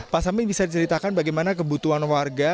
pak samin bisa diceritakan bagaimana kebutuhan warga